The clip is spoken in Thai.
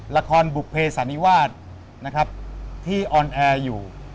ละครบุกเพสานิวาสที่ออนแอร์อยู่